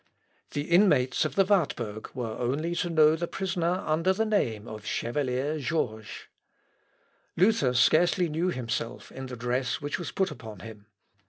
The inmates of the Wartburg were only to know the prisoner under the name of Chevalier Georges. Luther scarcely knew himself in the dress which was put upon him.